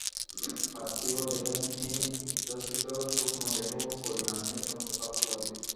পার্থিব দেহের ন্যায় ঊর্ধ্বস্থিত সূক্ষ্ম দেহও পরিণামে ধ্বংসপ্রাপ্ত হইবে।